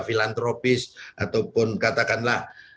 filantropis ataupun katakanlah